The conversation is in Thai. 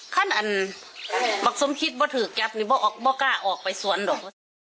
อันบักสมคิดว่าถือแก๊ปนี่ไม่กล้าออกไปสวนดอก